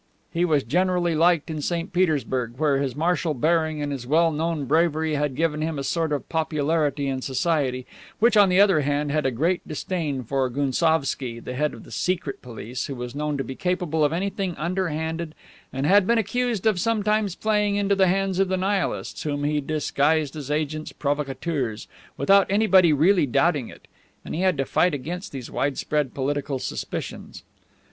He was generally liked in St. Petersburg, where his martial bearing and his well known bravery had given him a sort of popularity in society, which, on the other hand, had great disdain for Gounsovski, the head of the Secret Police, who was known to be capable of anything underhanded and had been accused of sometimes playing into the hands of the Nihilists, whom he disguised as agents provocateurs, without anybody really doubting it, and he had to fight against these widespread political suspicions.